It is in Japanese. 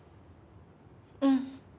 うん。